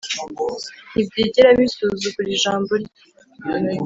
ntibyigera bisuzugura ijambo rye